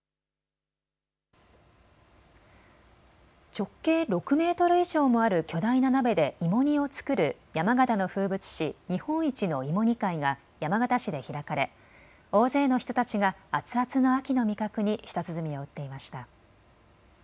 直径６メートル以上もある巨大な鍋で芋煮を作る山形の風物詩、日本一の芋煮会が山形市で開かれ大勢の人たちが熱々の秋の味覚に舌鼓を打っていました。